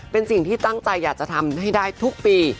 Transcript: เป็นสิ่งที่ตั้งใจอยากจะทำให้ได้ทุกปี